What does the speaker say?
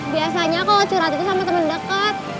biasanya kalau curhat itu sama temen deket